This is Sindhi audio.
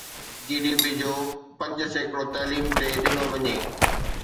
جي ڊي پي جو پنج سيڪڙو تعليم تي ڏنو وڃي